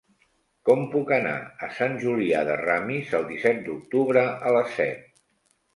Com puc anar a Sant Julià de Ramis el disset d'octubre a les set?